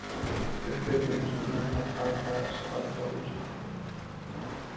یو شمېر فلسطینیان هر ښار ته سفر کولی شي.